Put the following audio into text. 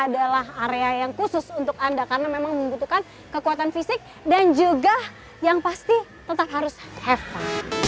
jadi kalau anda naik disini adalah area yang khusus untuk anda karena memang membutuhkan kekuatan fisik dan juga yang pasti tetap harus have fun